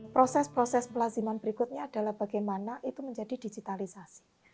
proses proses pelaziman berikutnya adalah bagaimana itu menjadi digitalisasi